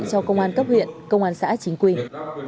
trang bị cho công an cấp huyện công an xã chính quyền